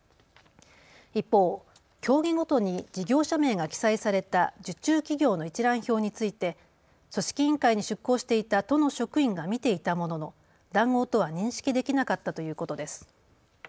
一方、競技ごとに事業者名が記載された受注企業の一覧表について組織委員会に出向していた都の職員が見ていたものの談合とは認識できなかったということです。